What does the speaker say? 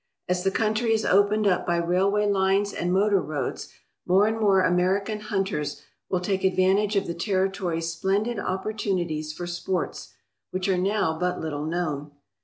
As the country is opened up by railway lines and motor roads, more and more American hunters will take advantage of the territory's splendid opportunities for sports, which are now but little known.